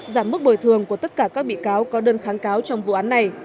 giảm mức bồi thường của tất cả các bị cáo có đơn kháng cáo trong vụ án này